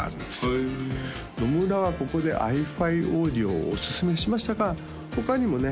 へえ野村はここでｉＦｉＡｕｄｉｏをおすすめしましたが他にもね